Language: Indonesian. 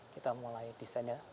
kita mulai desainnya